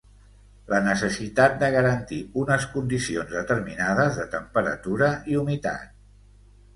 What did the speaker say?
La necessitat de garantir unes condicions determinades de temperatura i humitat.